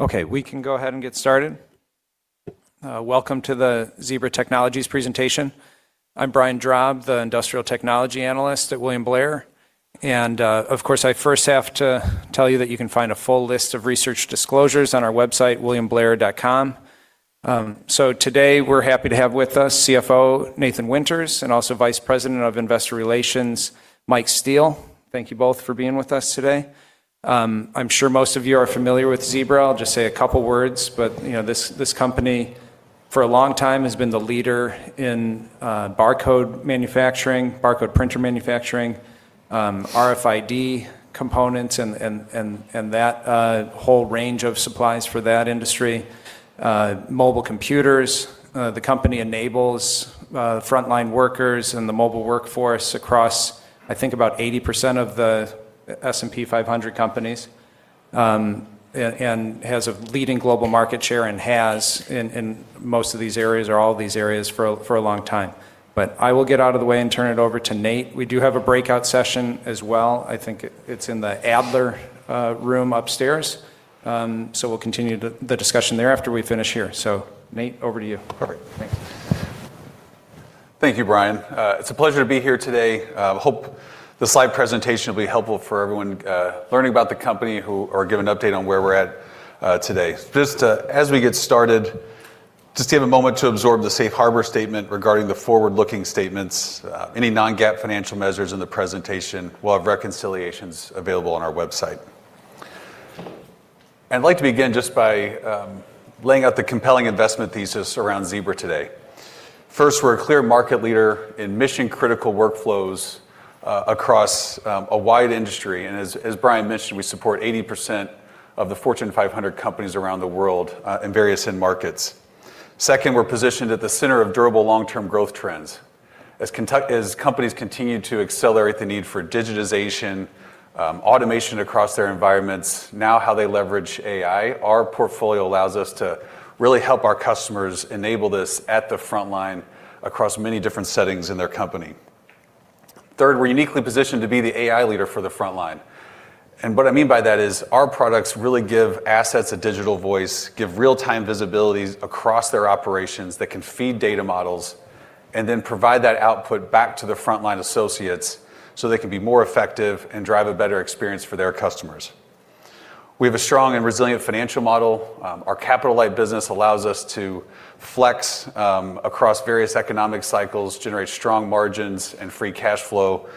Okay, we can go ahead and get started. Welcome to the Zebra Technologies presentation. I'm Brian Drab, the Industrial Technology Analyst at William Blair. Of course, I first have to tell you that you can find a full list of research disclosures on our website, williamblair.com. Today, we're happy to have with us CFO Nathan Winters, and also Vice President of Investor Relations, Mike Steele. Thank you both for being with us today. I'm sure most of you are familiar with Zebra. I'll just say a couple words. This company, for a long time, has been the leader in barcode manufacturing, barcode printer manufacturing, RFID components, and that whole range of supplies for that industry, mobile computers. The company enables frontline workers and the mobile workforce across, I think, about 80% of the S&P 500 companies, and has a leading global market share and has in most of these areas, or all of these areas, for a long time. I will get out of the way and turn it over to Nate. We do have a breakout session as well. I think it's in the Adler room upstairs. We'll continue the discussion there after we finish here. Nate, over to you. Perfect, thank you. Thank you, Brian. It's a pleasure to be here today. Hope the slide presentation will be helpful for everyone learning about the company, or give an update on where we're at today. Just as we get started, just to have a moment to absorb the Safe Harbor statement regarding the forward-looking statements. Any non-GAAP financial measures in the presentation, we'll have reconciliations available on our website. I'd like to begin just by laying out the compelling investment thesis around Zebra today. First, we're a clear market leader in mission-critical workflows across a wide industry, and as Brian mentioned, we support 80% of the Fortune 500 companies around the world in various end-markets. Second, we're positioned at the center of durable long-term growth trends. As companies continue to accelerate the need for digitization, automation across their environments, now how they leverage AI, our portfolio allows us to really help our customers enable this at the frontline across many different settings in their company. Third, we're uniquely positioned to be the AI leader for the frontline. What I mean by that is our products really give assets a digital voice, give real-time visibilities across their operations that can feed data models, and then provide that output back to the frontline associates, so they can be more effective and drive a better experience for their customers. We have a strong and resilient financial model. Our capital-light business allows us to flex across various economic cycles, generate strong margins and free cash flow,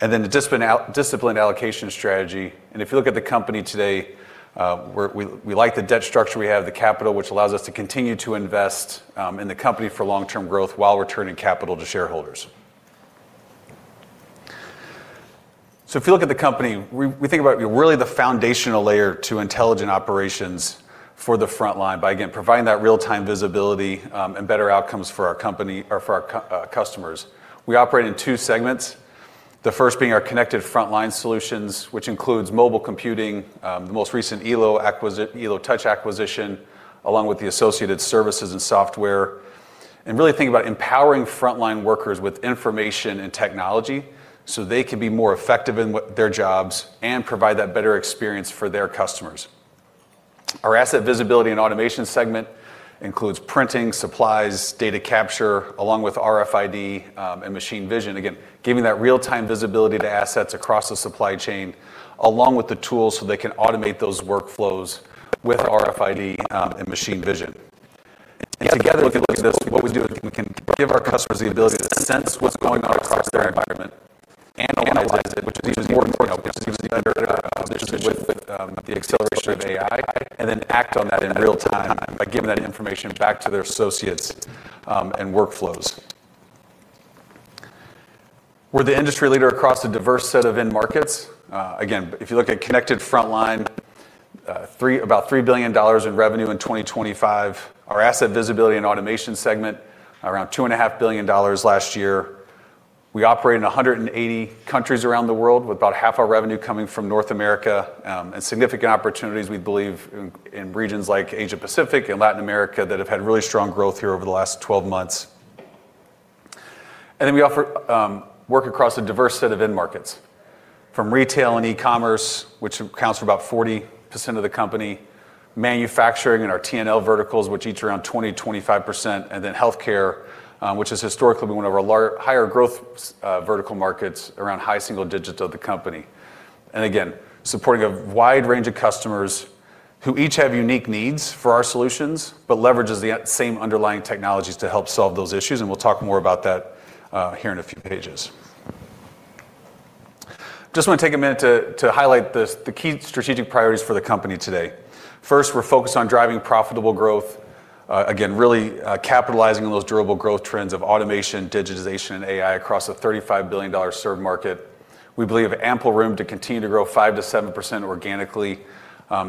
and then the disciplined allocation strategy. If you look at the company today, we like the debt structure we have, the capital, which allows us to continue to invest in the company for long-term growth while returning capital to shareholders. If you look at the company, we think about really the foundational layer to intelligent operations for the frontline by, again, providing that real-time visibility, and better outcomes for our customers. We operate in two segments, the first being our Connected Frontline solutions, which includes mobile computing, the most recent Elo Touch acquisition, along with the associated services and software. Really think about empowering frontline workers with information and technology, so they can be more effective in their jobs and provide that better experience for their customers. Our Asset Visibility & Automation segment includes printing, supplies, data capture, along with RFID and machine vision, again, giving that real-time visibility to assets across the supply chain, along with the tools so they can automate those workflows with RFID and machine vision. Together, look at this, what we do, we can give our customers the ability to sense what's going on across their environment, analyze it, which is even more important now with the acceleration of AI, then act on that in real time by giving that information back to their associates and workflows. We're the industry leader across a diverse set of end markets. Again, if you look at Connected Frontline, about $3 billion in revenue in 2025. Our Asset Visibility & Automation segment, around $2.5 billion last year. We operate in 180 countries around the world, with about half our revenue coming from North America, significant opportunities we believe in regions like Asia Pacific and Latin America that have had really strong growth here over the last 12 months. We work across a diverse set of end-markets, from retail and e-commerce, which accounts for about 40% of the company, manufacturing in our T&L verticals, which each around 20%-25%, then healthcare, which has historically been one of our higher growth vertical markets, around high single digits of the company. Again, supporting a wide range of customers who each have unique needs for our solutions, but leverages the same underlying technologies to help solve those issues, We'll talk more about that here in a few pages. Just want to take a minute to highlight the key strategic priorities for the company today. First, we're focused on driving profitable growth, again, really capitalizing on those durable growth trends of automation, digitization, and AI across a $35 billion served market. We believe ample room to continue to grow 5%-7% organically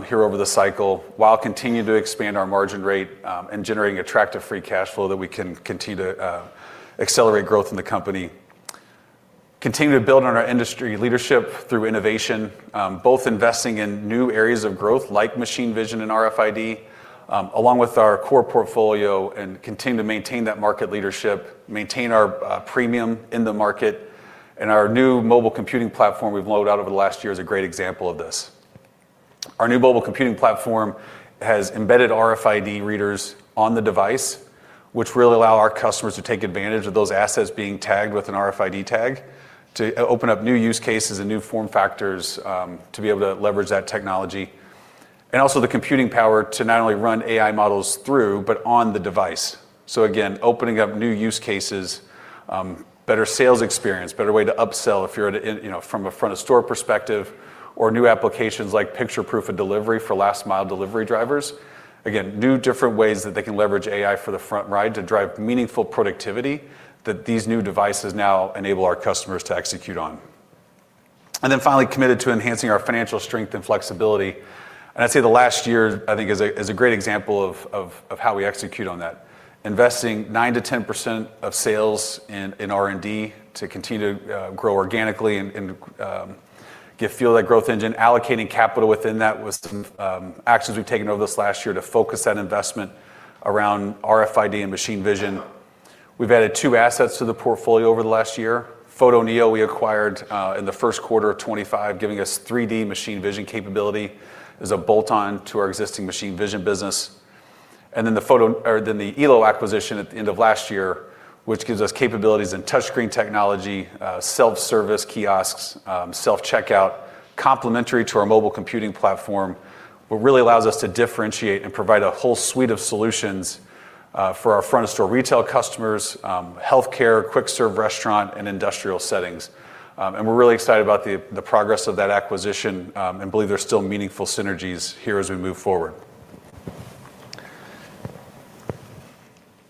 here over the cycle, while continuing to expand our margin rate and generating attractive free cash flow that we can continue to accelerate growth in the company. Continue to build on our industry leadership through innovation, both investing in new areas of growth like machine vision and RFID. Along with our core portfolio and continue to maintain that market leadership, maintain our premium in the market, and our new mobile computing platform we've rolled out over the last year is a great example of this. Our new mobile computing platform has embedded RFID readers on the device, which really allow our customers to take advantage of those assets being tagged with an RFID tag to open up new use cases and new form factors to be able to leverage that technology. Also the computing power to not only run AI models through, but on the device. Again, opening up new use cases, better sales experience, better way to upsell if you're from a front of store perspective or new applications like picture proof of delivery for last mile delivery drivers. Again, new different ways that they can leverage AI for the frontline to drive meaningful productivity that these new devices now enable our customers to execute on. Finally, committed to enhancing our financial strength and flexibility. I'd say the last year, I think, is a great example of how we execute on that. Investing 9%-10% of sales in R&D to continue to grow organically and fuel that growth engine, allocating capital within that with some actions we've taken over this last year to focus that investment around RFID and machine vision. We've added two assets to the portfolio over the last year. Photoneo we acquired in the first quarter of 2025, giving us 3D machine vision capability as a bolt-on to our existing machine vision business. Then the Elo acquisition at the end of last year, which gives us capabilities in touchscreen technology, self-service kiosks, self-checkout, complementary to our mobile computing platform, what really allows us to differentiate and provide a whole suite of solutions for our front of store retail customers, healthcare, quick serve restaurant, and industrial settings. We're really excited about the progress of that acquisition and believe there's still meaningful synergies here as we move forward.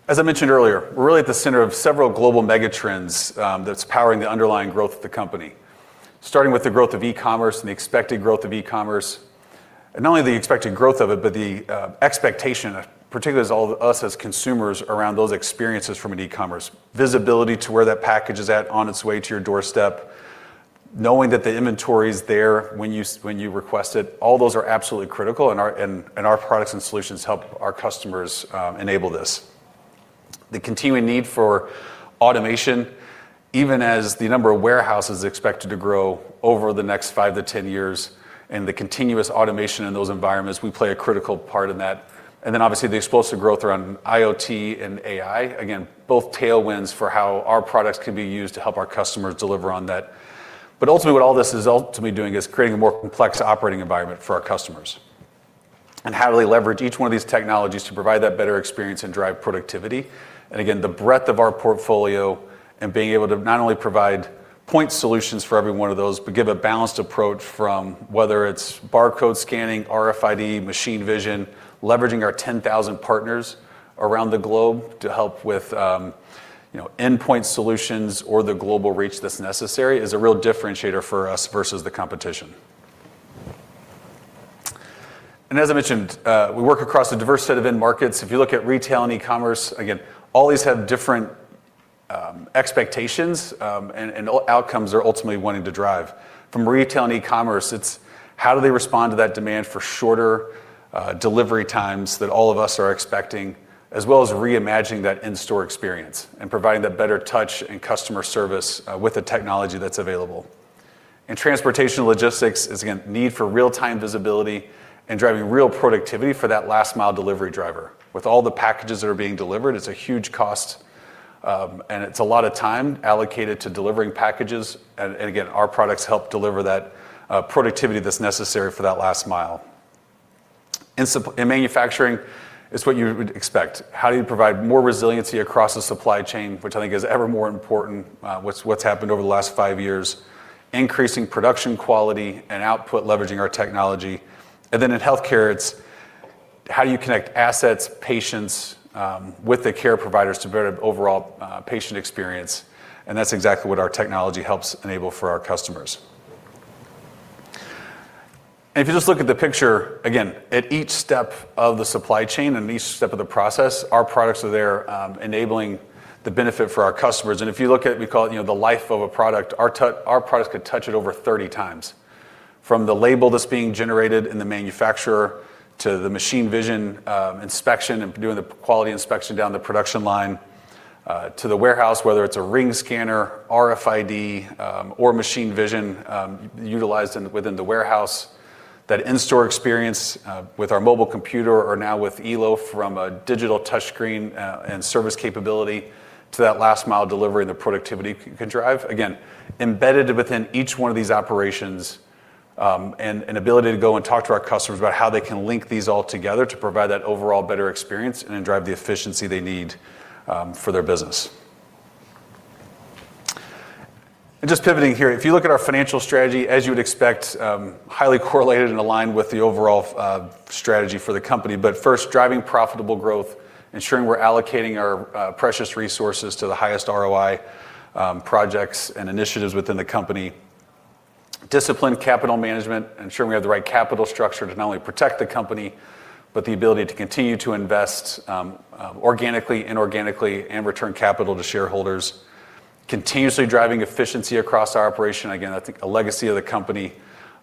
As I mentioned earlier, we're really at the center of several global mega trends that's powering the underlying growth of the company, starting with the growth of e-commerce and the expected growth of e-commerce. Not only the expected growth of it, but the expectation, particularly as all of us as consumers around those experiences from an e-commerce, visibility to where that package is at on its way to your doorstep, knowing that the inventory is there when you request it, all those are absolutely critical, and our products and solutions help our customers enable this. The continuing need for automation, even as the number of warehouses expected to grow over the next 5 to 10 years and the continuous automation in those environments, we play a critical part in that. Obviously the explosive growth around IoT and AI, again, both tailwinds for how our products can be used to help our customers deliver on that. Ultimately, what all this is ultimately doing is creating a more complex operating environment for our customers, and how do they leverage each one of these technologies to provide that better experience and drive productivity. Again, the breadth of our portfolio and being able to not only provide point solutions for every one of those, but give a balanced approach from whether it's barcode scanning, RFID, machine vision, leveraging our 10,000 partners around the globe to help with endpoint solutions or the global reach that's necessary is a real differentiator for us versus the competition. As I mentioned, we work across a diverse set of end markets. If you look at retail and e-commerce, again, all these have different expectations, and outcomes they're ultimately wanting to drive. From retail and e-commerce, it's how do they respond to that demand for shorter delivery times that all of us are expecting, as well as reimagining that in-store experience and providing that better touch and customer service with the technology that's available. In Transportation and Logistics is, again, need for real-time visibility and driving real productivity for that last mile delivery driver. With all the packages that are being delivered, it's a huge cost, and it's a lot of time allocated to delivering packages. Again, our products help deliver that productivity that's necessary for that last mile. In manufacturing, it's what you would expect. How do you provide more resiliency across the supply chain, which I think is ever more important, what's happened over the last five years, increasing production quality and output, leveraging our technology. In healthcare, it's how you connect assets, patients, with the care providers to better overall patient experience. That's exactly what our technology helps enable for our customers. If you just look at the picture, again, at each step of the supply chain and each step of the process, our products are there enabling the benefit for our customers. If you look at, we call it the life of a product, our products could touch it over 30 times. From the label that's being generated in the manufacturer to the machine vision inspection and doing the quality inspection down the production line, to the warehouse, whether it's a ring scanner, RFID, or machine vision, utilized within the warehouse. That in-store experience with our mobile computer or now with Elo from a digital touchscreen and service capability to that last mile delivery and the productivity it can drive. Embedded within each one of these operations, and an ability to go and talk to our customers about how they can link these all together to provide that overall better experience and then drive the efficiency they need for their business. Just pivoting here, if you look at our financial strategy, as you would expect, highly correlated and aligned with the overall strategy for the company. First, driving profitable growth, ensuring we're allocating our precious resources to the highest ROI projects and initiatives within the company. Disciplined capital management, ensuring we have the right capital structure to not only protect the company, but the ability to continue to invest organically and inorganically and return capital to shareholders. Continuously driving efficiency across our operation. I think a legacy of the company,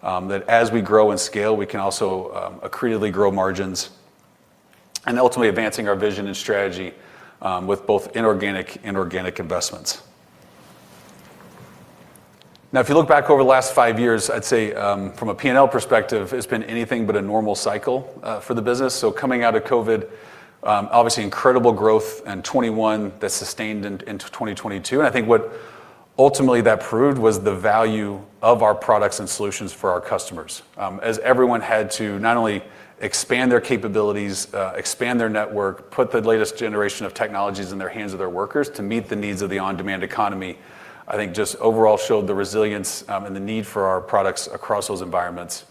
that as we grow and scale, we can also accretively grow margins. Ultimately advancing our vision and strategy with both inorganic and organic investments. If you look back over the last five years, I'd say from a P&L perspective, it's been anything but a normal cycle for the business. Coming out of COVID, obviously incredible growth in 2021 that sustained into 2022. I think what ultimately that proved was the value of our products and solutions for our customers. As everyone had to not only expand their capabilities, expand their network, put the latest generation of technologies in the hands of their workers to meet the needs of the on-demand economy, I think just overall showed the resilience and the need for our products across those environments.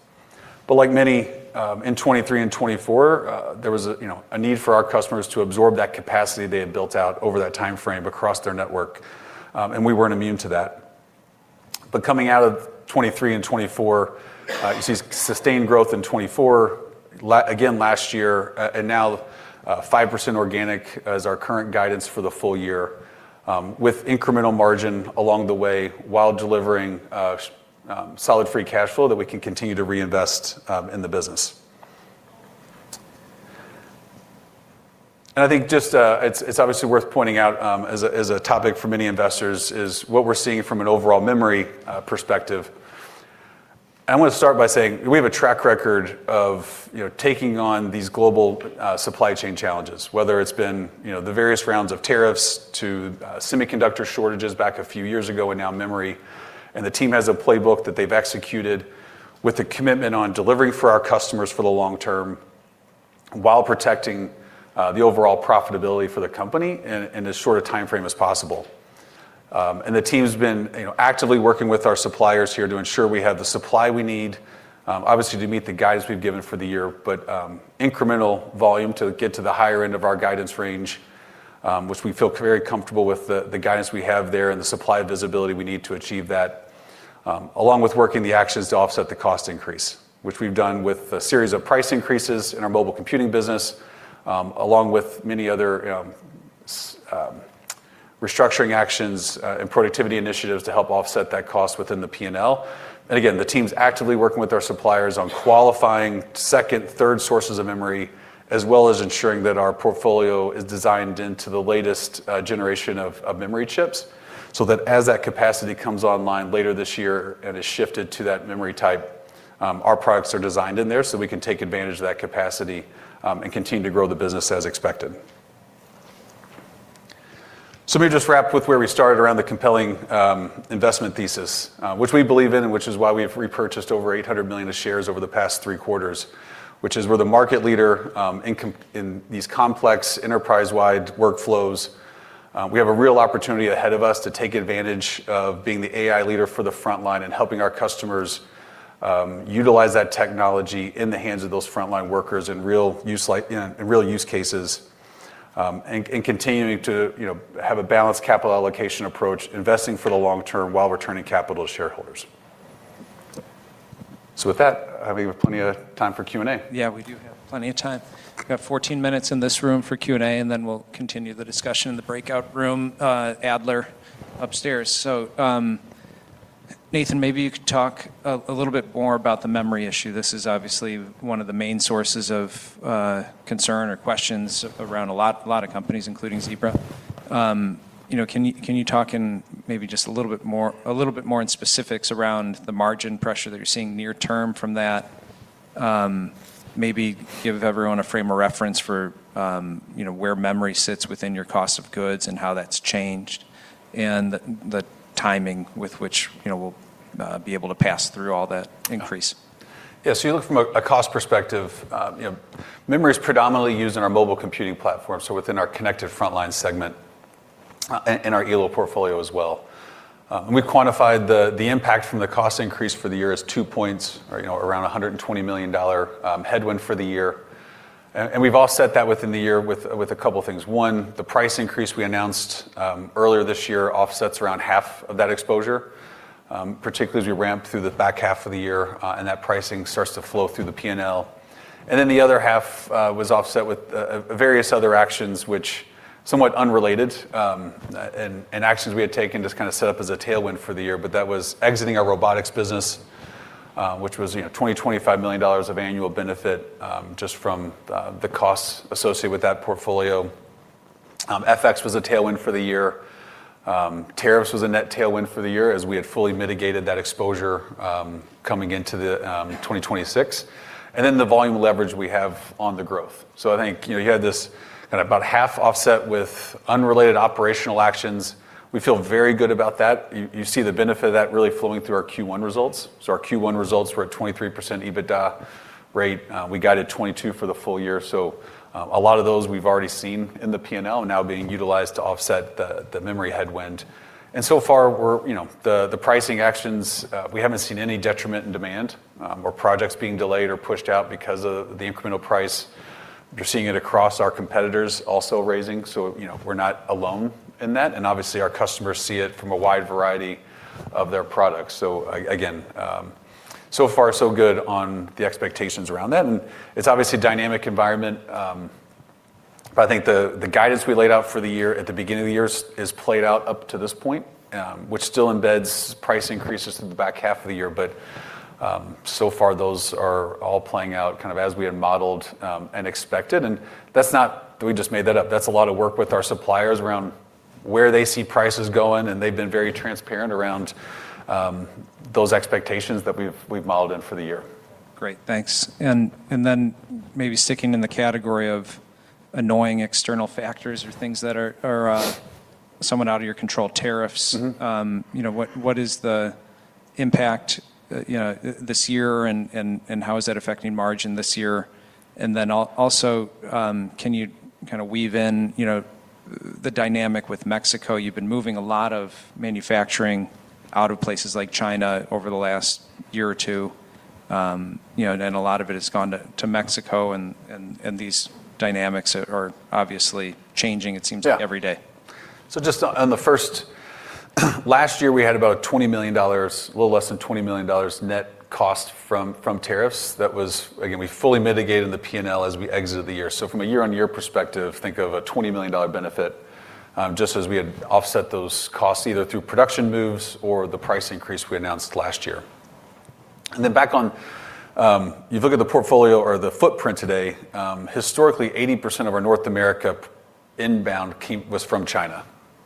Like many, in 2023 and 2024, there was a need for our customers to absorb that capacity they had built out over that timeframe across their network. We weren't immune to that. Coming out of 2023 and 2024, you see sustained growth in 2024, again last year, and now 5% organic as our current guidance for the full year, with incremental margin along the way while delivering solid free cash flow that we can continue to reinvest in the business. I think it's obviously worth pointing out, as a topic for many investors, is what we're seeing from an overall memory perspective. I want to start by saying we have a track record of taking on these global supply chain challenges, whether it's been the various rounds of tariffs to semiconductor shortages back a few years ago and now memory. The team has a playbook that they've executed with a commitment on delivering for our customers for the long term while protecting the overall profitability for the company in as short a timeframe as possible. The team's been actively working with our suppliers here to ensure we have the supply we need, obviously to meet the guidance we've given for the year, but incremental volume to get to the higher end of our guidance range, which we feel very comfortable with the guidance we have there and the supply visibility we need to achieve that. Along with working the actions to offset the cost increase, which we've done with a series of price increases in our mobile computing business, along with many other restructuring actions and productivity initiatives to help offset that cost within the P&L. Again, the team's actively working with our suppliers on qualifying second, third sources of memory, as well as ensuring that our portfolio is designed into the latest generation of memory chips, so that as that capacity comes online later this year and is shifted to that memory type, our products are designed in there so we can take advantage of that capacity and continue to grow the business as expected. Let me just wrap with where we started around the compelling investment thesis, which we believe in, and which is why we have repurchased over $800 million of shares over the past three quarters, which is we're the market leader in these complex enterprise-wide workflows. We have a real opportunity ahead of us to take advantage of being the AI leader for the frontline and helping our customers utilize that technology in the hands of those frontline workers in real use cases. Continuing to have a balanced capital allocation approach, investing for the long term while returning capital to shareholders. With that, I have plenty of time for Q&A. Yeah, we do have plenty of time. We have 14 minutes in this room for Q&A, and then we'll continue the discussion in the breakout room, Adler, upstairs. Nathan, maybe you could talk a little bit more about the memory issue. This is obviously one of the main sources of concern or questions around a lot of companies, including Zebra. Can you talk maybe just a little bit more in specifics around the margin pressure that you're seeing near term from that? Maybe give everyone a frame of reference for where memory sits within your cost of goods and how that's changed. The timing with which we'll be able to pass through all that increase. Yeah. You look from a cost perspective, memory is predominantly used in our mobile computing platform, within our Connected Frontline segment and our Elo portfolio as well. We've quantified the impact from the cost increase for the year as two points, around $120 million headwind for the year. We've offset that within the year with a couple things. One, the price increase we announced earlier this year offsets around half of that exposure, particularly as we ramp through the back half of the year and that pricing starts to flow through the P&L. The other half was offset with various other actions which somewhat unrelated, and actions we had taken just kind of set up as a tailwind for the year, but that was exiting our robotics business, which was $20 million-$25 million of annual benefit, just from the costs associated with that portfolio. FX was a tailwind for the year. Tariffs was a net tailwind for the year as we had fully mitigated that exposure coming into 2026. The volume leverage we have on the growth. I think you had this about half offset with unrelated operational actions. We feel very good about that. You see the benefit of that really flowing through our Q1 results. Our Q1 results were at 23% EBITDA rate. We guided 2022 for the full-year, so a lot of those we've already seen in the P&L now being utilized to offset the memory headwind. So far, the pricing actions, we haven't seen any detriment in demand or projects being delayed or pushed out because of the incremental price. You're seeing it across our competitors also raising, so we're not alone in that. Obviously our customers see it from a wide variety of their products. Again, so far so good on the expectations around that. It's obviously a dynamic environment. I think the guidance we laid out for the year at the beginning of the year has played out up to this point, which still embeds price increases in the back half of the year. So far, those are all playing out as we had modeled and expected. We just made that up. That's a lot of work with our suppliers around where they see prices going, and they've been very transparent around those expectations that we've modeled in for the year. Great. Thanks. Maybe sticking in the category of annoying external factors or things that are somewhat out of your control, tariffs. What is the impact this year, and how is that affecting margin this year? Then also, can you kind of weave in the dynamic with Mexico? You've been moving a lot of manufacturing out of places like China over the last year or two. A lot of it has gone to Mexico, and these dynamics are obviously changing, it seems. Yeah every day. Last year, we had about a little less than $20 million net cost from tariffs. That was, again, we fully mitigated the P&L as we exited the year. From a year-on-year perspective, think of a $20 million benefit, just as we had offset those costs either through production moves or the price increase we announced last year. Back on, if you look at the portfolio or the footprint today, historically, 80% of our North America inbound was from China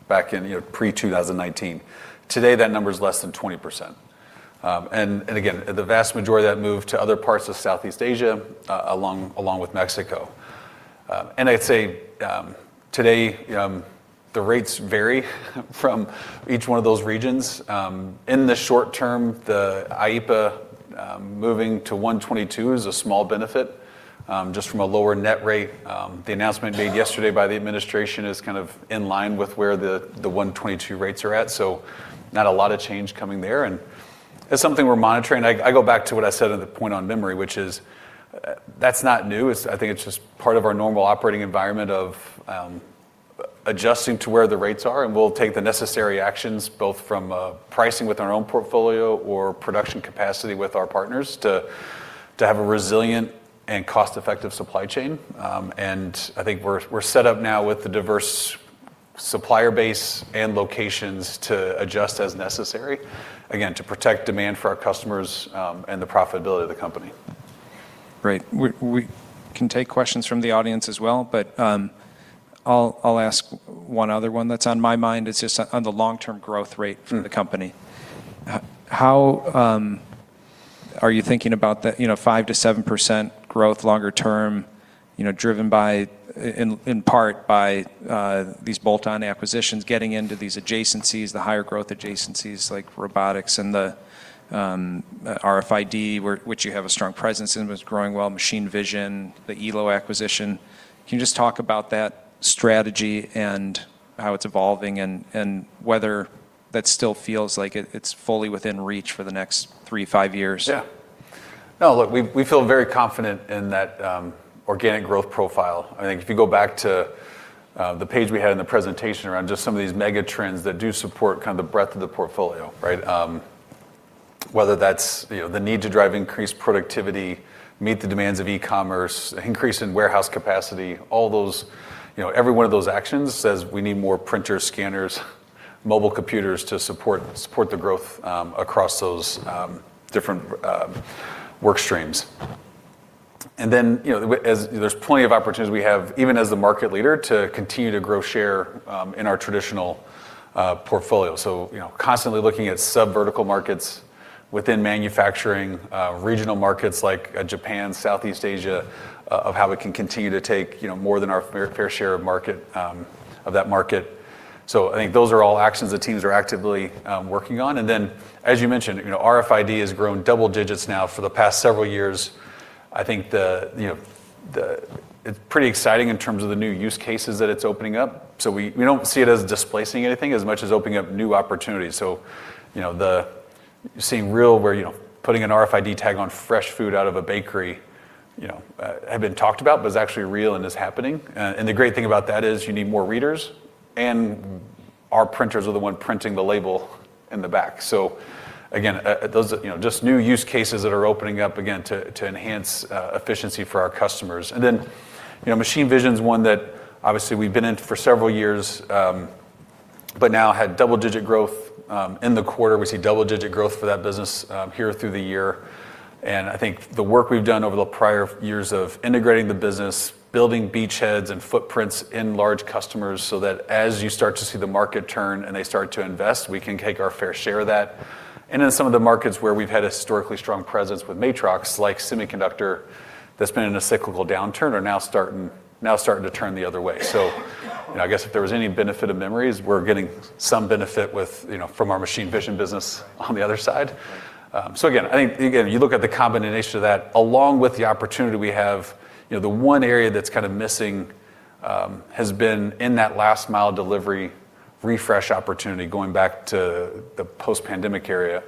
back in pre-2019. Today, that number is less than 20%. Again, the vast majority of that moved to other parts of Southeast Asia, along with Mexico. I'd say, today, the rates vary from each one of those regions. In the short term, the IEEPA moving to 122 is a small benefit, just from a lower net rate. The announcement made yesterday by the administration is kind of in line with where the 122 rates are at. Not a lot of change coming there, and it's something we're monitoring. I go back to what I said on the point on memory, which is, that's not new. I think it's just part of our normal operating environment of adjusting to where the rates are, and we'll take the necessary actions, both from a pricing with our own portfolio or production capacity with our partners, to have a resilient and cost-effective supply chain. I think we're set up now with the diverse supplier base and locations to adjust as necessary. Again, to protect demand for our customers, and the profitability of the company. Great. We can take questions from the audience as well, but I'll ask one other one that's on my mind. It's just on the long-term growth rate for the company. How are you thinking about the 5%-7% growth longer term, driven in part by these bolt-on acquisitions, getting into these adjacencies, the higher growth adjacencies like robotics and the RFID, which you have a strong presence in, was growing well, machine vision, the Elo acquisition. Can you just talk about that strategy and how it's evolving, and whether that still feels like it's fully within reach for the next three to five years? Yeah. Look, we feel very confident in that organic growth profile. I think if you go back to the page we had in the presentation around just some of these mega trends that do support kind of the breadth of the portfolio, right? Whether that's the need to drive increased productivity, meet the demands of e-commerce, increase in warehouse capacity, all those, every one of those actions says we need more printers, scanners, mobile computers to support the growth across those different work streams. There's plenty of opportunities we have, even as the market leader, to continue to grow share in our traditional portfolio. Constantly looking at sub-vertical markets within manufacturing, regional markets like Japan, Southeast Asia, of how we can continue to take more than our fair share of that market. I think those are all actions the teams are actively working on. As you mentioned, RFID has grown double digits now for the past several years. I think it's pretty exciting in terms of the new use cases that it's opening up. We don't see it as displacing anything as much as opening up new opportunities. Seeing real where putting an RFID tag on fresh food out of a bakery had been talked about, but it's actually real and is happening. The great thing about that is you need more readers, and our printers are the one printing the label in the back. Again, those are just new use cases that are opening up again to enhance efficiency for our customers. Machine Vision is one that obviously we've been in for several years, but now had double-digit growth in the quarter. We see double-digit growth for that business here through the year. I think the work we've done over the prior years of integrating the business, building beachheads and footprints in large customers so that as you start to see the market turn and they start to invest, we can take our fair share of that. In some of the markets where we've had a historically strong presence with Matrox, like semiconductor, that's been in a cyclical downturn, are now starting to turn the other way. I guess if there was any benefit of memories, we're getting some benefit from our Machine Vision business on the other side. Again, I think you look at the combination of that, along with the opportunity we have. The one area that's kind of missing, has been in that last mile delivery refresh opportunity, going back to the post-pandemic area.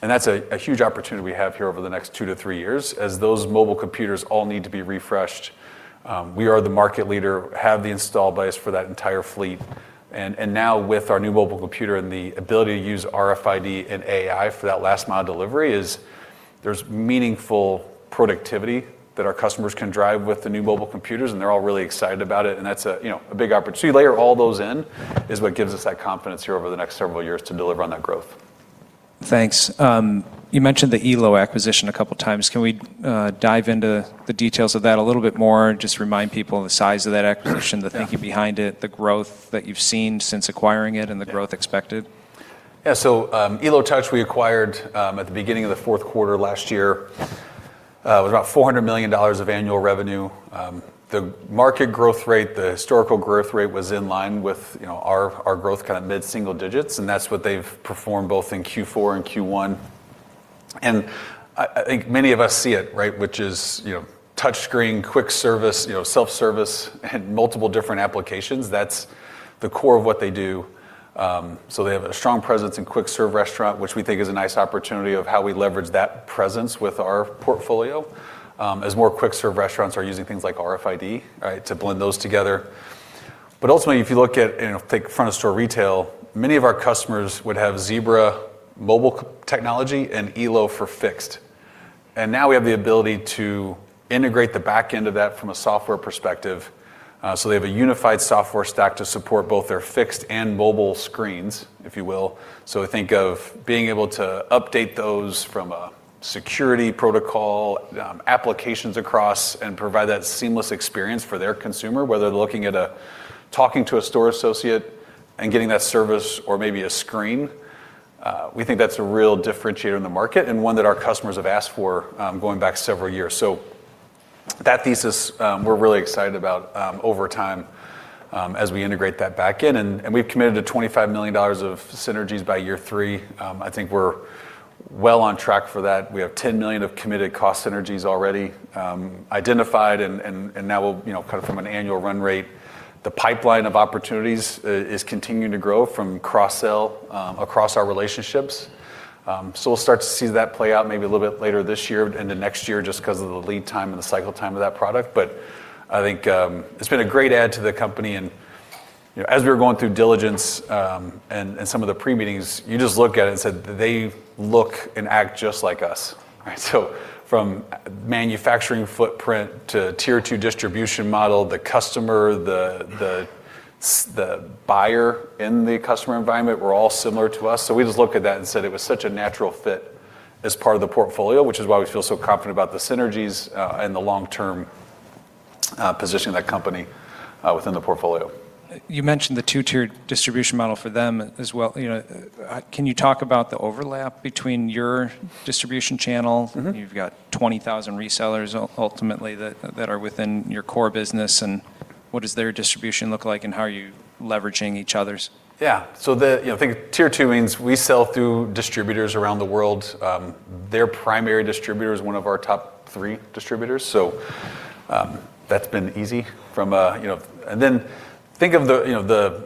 That's a huge opportunity we have here over the next two to three years, as those mobile computers all need to be refreshed. We are the market leader, have the install base for that entire fleet, and now with our new mobile computer and the ability to use RFID and AI for that last mile delivery. There's meaningful productivity that our customers can drive with the new mobile computers, and they're all really excited about it, and that's a big opportunity. Layering all those in is what gives us that confidence here over the next several years to deliver on that growth. Thanks. You mentioned the Elo acquisition a couple of times. Can we dive into the details of that a little bit more and just remind people of the size of that acquisition, the thinking behind it, the growth that you've seen since acquiring it, and the growth expected? Yeah. Elo Touch we acquired at the beginning of the fourth quarter last year. It was about $400 million of annual revenue. The market growth rate, the historical growth rate was in line with our growth, mid-single digits, and that's what they've performed both in Q4 and Q1. I think many of us see it, which is touch-screen, quick service, self-service and multiple different applications. That's the core of what they do. They have a strong presence in quick-serve restaurant, which we think is a nice opportunity of how we leverage that presence with our portfolio, as more quick-serve restaurants are using things like RFID to blend those together. Ultimately, if you look at front-of-store retail, many of our customers would have Zebra mobile technology and Elo for fixed. Now we have the ability to integrate the back-end of that from a software perspective. They have a unified software stack to support both their fixed and mobile screens, if you will. Think of being able to update those from a security protocol, applications across, and provide that seamless experience for their consumer, whether they're looking at talking to a store associate and getting that service or maybe a screen. We think that's a real differentiator in the market and one that our customers have asked for going back several years. That thesis, we're really excited about over time as we integrate that back in, and we've committed to $25 million of synergies by year three. I think we're well on track for that. We have $10 million of committed cost synergies already identified. From an annual run-rate, the pipeline of opportunities is continuing to grow from cross-sell across our relationships. We'll start to see that play out maybe a little bit later this year into next year just because of the lead time and the cycle time of that product. I think it's been a great add to the company, and as we were going through diligence and some of the pre-meetings, you just look at it and said, they look and act just like us. From manufacturing footprint to Tier 2 distribution model, the customer, the buyer in the customer environment, were all similar to us. We just looked at that and said it was such a natural fit as part of the portfolio, which is why we feel so confident about the synergies, and the long-term positioning of that company within the portfolio. You mentioned the two-tiered distribution model for them as well. Can you talk about the overlap between your distribution channel? You've got 20,000 resellers ultimately that are within your core business, and what does their distribution look like, and how are you leveraging each other's? Yeah. Think Tier 2 means we sell through distributors around the world. Their primary distributor is one of our top three distributors, that's been easy. Think of the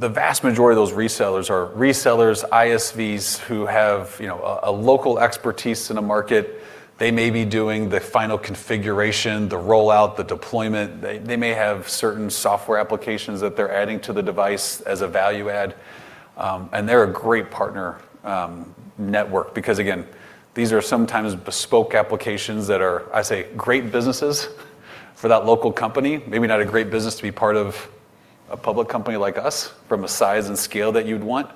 vast majority of those resellers are resellers, ISVs who have a local expertise in a market. They may be doing the final configuration, the rollout, the deployment. They may have certain software applications that they're adding to the device as a value add. They're a great partner network because, again, these are sometimes bespoke applications that are, I say, great businesses for that local company, maybe not a great business to be part of a public company like us from a size and scale that you'd want,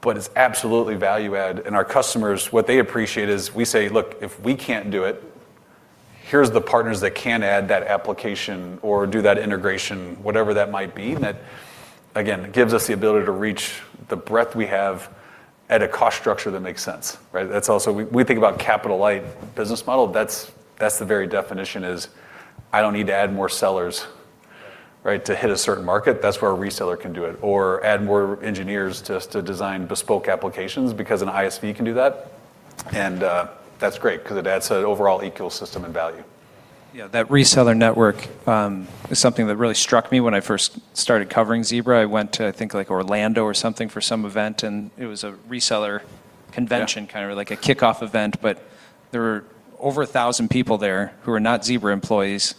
but it's absolutely value add. Our customers, what they appreciate is we say, look, if we can't do it, here's the partners that can add that application or do that integration, whatever that might be. That, again, gives us the ability to reach the breadth we have at a cost structure that makes sense. Right? We think about capital light business model. That's the very definition is I don't need to add more sellers to hit a certain market. That's where a reseller can do it. Add more engineers to design bespoke applications because an ISV can do that, and that's great because it adds to the overall ecosystem and value. Yeah, that reseller network is something that really struck me when I first started covering Zebra. I went to, I think Orlando or something for some event, and it was a reseller convention. Yeah like a kickoff event, but there were over 1,000 people there who were not Zebra employees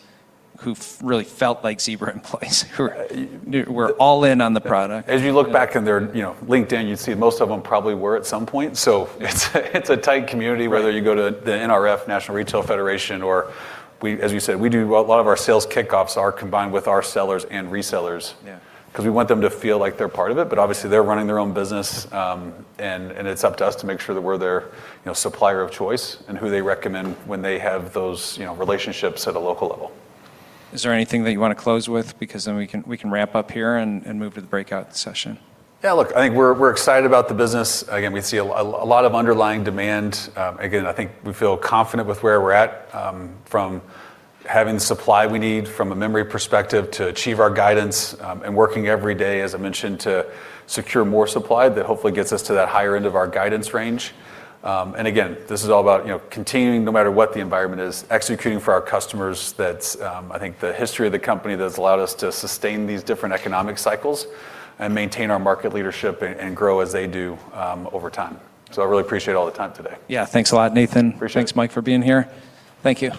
who really felt like Zebra employees who were all in on the product. As you look back on their LinkedIn, you'd see most of them probably were at some point. It's a tight community, whether you go to the NRF, National Retail Federation or as you said, a lot of our sales kickoffs are combined with our sellers and resellers. Yeah We want them to feel like they're part of it, but obviously they're running their own business, and it's up to us to make sure that we're their supplier of choice and who they recommend when they have those relationships at a local level. Is there anything that you want to close with? We can wrap up here and move to the breakout session. Yeah, look, I think we're excited about the business. We see a lot of underlying demand. I think we feel confident with where we're at from having the supply we need from a memory perspective to achieve our guidance and working every day, as I mentioned, to secure more supply that hopefully gets us to that higher end of our guidance range. This is all about continuing, no matter what the environment is, executing for our customers. That's I think the history of the company that's allowed us to sustain these different economic cycles and maintain our market leadership and grow as they do over time. I really appreciate all the time today. Yeah. Thanks a lot, Nathan. Appreciate it. Thanks, Mike, for being here. Thank you.